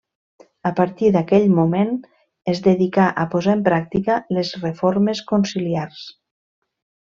A partir d'aquell moment es dedicà a posar en pràctica les reformes conciliars.